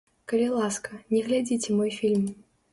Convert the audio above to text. Калі ласка, не глядзіце мой фільм!